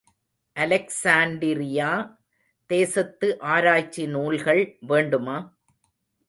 Alexandria தேசத்து ஆராய்ச்சி நூல்கள் வேண்டுமா?